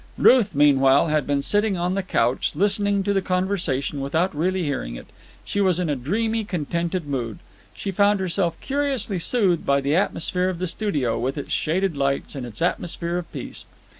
Ruth, meanwhile, had been sitting on the couch, listening to the conversation without really hearing it. She was in a dreamy, contented mood. She found herself curiously soothed by the atmosphere of the studio, with its shaded lights and its atmosphere of peace.